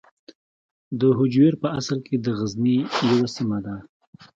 هجویر په اصل کې د غزني یوه سیمه ده.